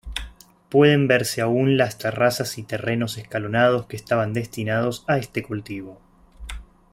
Pueden verse aún las terrazas y terrenos escalonados que estaban destinados a este cultivo.